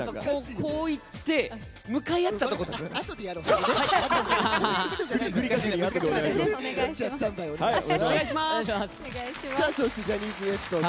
こう行って向かい合っちゃったとか。